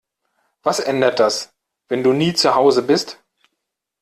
Was ändert das, wenn du nie zu Hause bist?